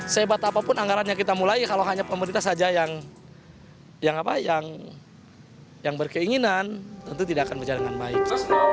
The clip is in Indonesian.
sehebat apapun anggaran yang kita mulai kalau hanya pemerintah saja yang berkeinginan tentu tidak akan berjalan dengan baik